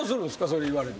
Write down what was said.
それ言われて。